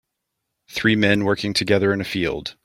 Three men working together in a field.